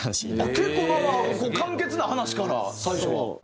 結構まあまあ簡潔な話から最初は。